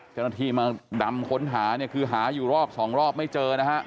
เจ้าหน้าที่มาดำค้นหาคือหาอยู่รอบสองรอบไม่เจอ